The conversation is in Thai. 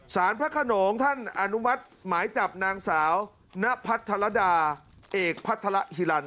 พระขนงท่านอนุมัติหมายจับนางสาวนพัทรดาเอกพัฒระฮิลัน